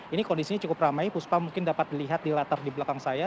ini kondisinya cukup ramai puspa mungkin dapat dilihat di latar di belakang saya